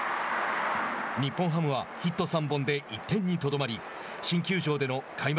日本ハムはヒット３本で１点にとどまり新球場での開幕